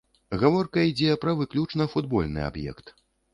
Гаворка ідзе пра выключна футбольны аб'ект.